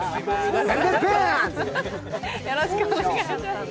よろしくお願いします。